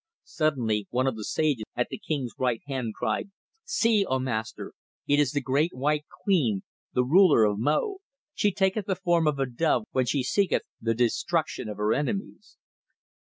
Suddenly, one of the sages at the king's right hand cried: 'See, O Master! It is the Great White Queen, the ruler of Mo! She taketh the form of a dove when she seeketh the destruction of her enemies!'